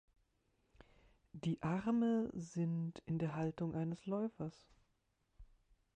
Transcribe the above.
Die Arme sind in der Haltung eines Läufers.